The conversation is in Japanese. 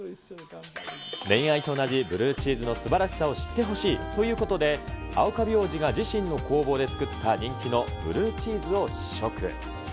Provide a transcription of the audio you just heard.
恋愛と同じブルーチーズのすばらしさを知ってほしいということで、青カビ王子が自身の工房で作った人気のブルーチーズを試食。